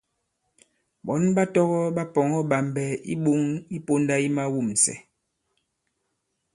Ɓɔ̌n ɓa tɔgɔ̄ ɓa pɔ̀ŋɔ̄ ɓàmbɛ̀ i iɓoŋ i pōnda yi mawûmsɛ̀.